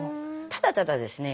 ただただですね